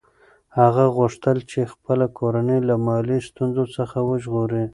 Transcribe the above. هغه غوښتل چې خپله کورنۍ له مالي ستونزو څخه وژغوري.